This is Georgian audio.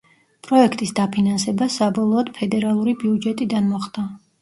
პროექტის დაფინანსება საბოლოოდ ფედერალური ბიუჯეტიდან მოხდა.